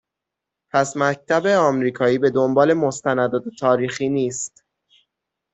پس مکتب آمریکایی به دنبال مستندات تاریخی نیست